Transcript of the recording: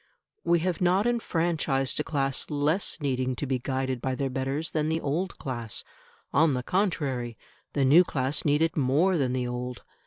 We have not enfranchised a class less needing to be guided by their betters than the old class; on the contrary, the new class need it more than the old.